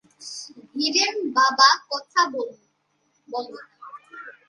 ভিরেন, বাবা কথা বল।